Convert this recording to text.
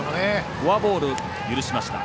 フォアボールを許しました。